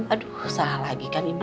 aduh usaha lagi kan ibu